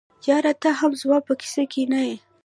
یاره ته هم زما په کیسه کي نه یې.